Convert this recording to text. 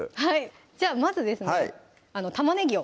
はいじゃあまずですね